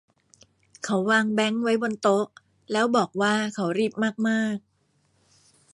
เขาวางแบงค์ไว้บนโต๊ะแล้วบอกว่าเขารีบมากมาก